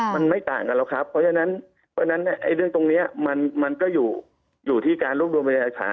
มันไม่ต่างกันหรอกครับเพราะฉะนั้นเรื่องตรงนี้มันก็อยู่ที่การรวบรวมพยาฐาน